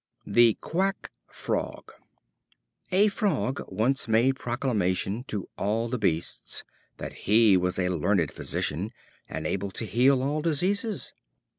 The Quack Frog. A Frog once made proclamation to all the beasts that he was a learned physician, and able to heal all diseases.